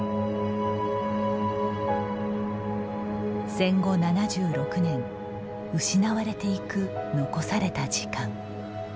戦後７６年失われていく残された時間。